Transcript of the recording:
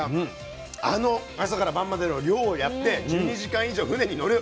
あの朝から晩までの漁をやって１２時間以上船に乗る。